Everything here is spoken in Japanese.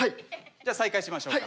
じゃあ再開しましょうか。